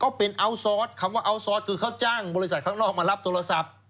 เขาเป็นอัลซอสคำว่าอัลซอสคือเขาจ้างบริษัทข้างนอกมารับโทรศัพท์